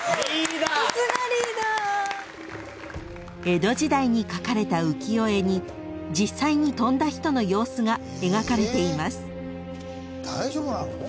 ［江戸時代に描かれた浮世絵に実際に飛んだ人の様子が描かれています］